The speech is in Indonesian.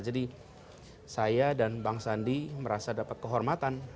jadi saya dan bang sandi merasa dapat kehormatan